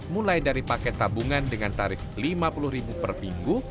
mulai dari paket tabungan dengan tarif rp lima puluh per minggu